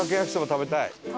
食べたい。